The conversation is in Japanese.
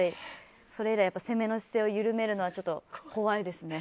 それ以来攻めの姿勢を緩めるのは怖いですね。